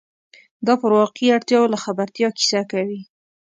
دا پر واقعي اړتیاوو له خبرتیا کیسه کوي.